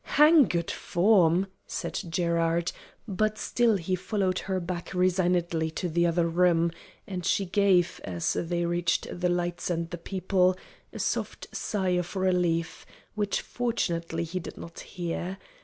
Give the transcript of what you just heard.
"Hang good form!" said Gerard, but still he followed her back resignedly to the other room, and she gave, as they reached the lights and the people, a soft sigh of relief, which fortunately he did not hear.